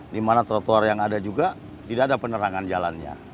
di mana trotoar yang ada juga tidak ada penerangan jalannya